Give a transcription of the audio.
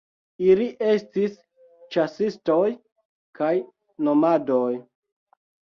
Ili estis ĉasistoj kaj nomadoj.